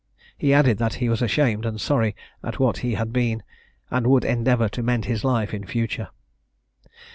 He added that he was ashamed and sorry at what he had been, and would endeavour to mend his life in future.